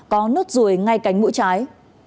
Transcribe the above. có nốt rùi ngay cánh mũi trái